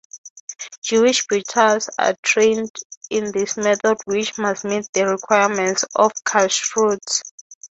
Jewish butchers are trained in this method which must meet the requirements of kashrut.